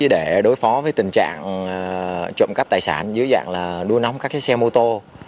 để đối phó với tình trạng trộm cắp tài sản dưới dạng đua nóng các xe mô tô